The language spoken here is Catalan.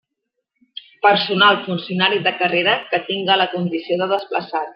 Personal funcionari de carrera que tinga la condició de desplaçat.